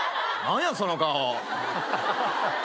何やその顔。